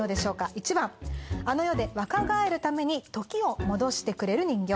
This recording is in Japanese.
１番あの世で若返るために時を戻してくれる人形。